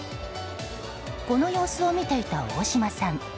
この様子を見ていた大島さん。